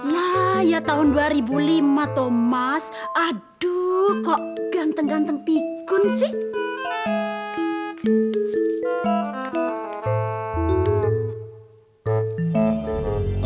lah ya tahun dua ribu lima thomas aduh kok ganteng ganteng pikun sih